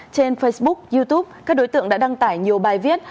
trên facebook youtube các đối tượng đã đăng tải nhiều bài viết